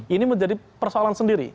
ini menjadi persoalan sendiri